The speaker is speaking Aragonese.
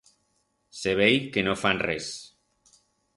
Se vei que no fan res.